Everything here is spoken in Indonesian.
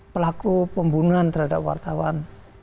pelaku pembunuhan terhadap wartawan